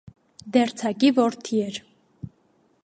Դերձակի որդի էր։